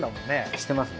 してますね。